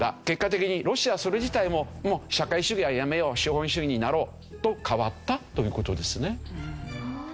結果的にロシアそれ自体ももう社会主義はやめよう資本主義になろうと変わったという事ですね。